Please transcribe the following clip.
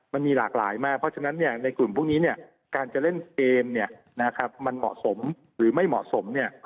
มันมีหลากหลายมากเพราะฉะนั้นเนี่ยในกลุ่มพวกนี้เนี่ยการจะเล่นเกมเนี่ยนะครับมันเหมาะสมหรือไม่เหมาะสมเนี่ย